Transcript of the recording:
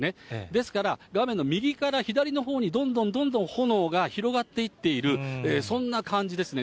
ですから、画面の右から左のほうに、どんどんどんどん炎が広がっていっている、そんな感じですね。